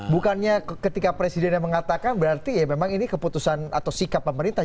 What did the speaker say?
bukannya ketika presiden yang mengatakan berarti ya memang ini keputusan atau sikap pemerintah